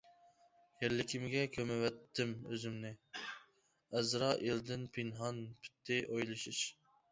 يەرلىكىمگە كۆمۈۋەتتىم ئۆزۈمنى، ئەزرائىلدىن پىنھان پۈتتى ئويلىشىش.